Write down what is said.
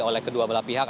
oleh kedua belah pihak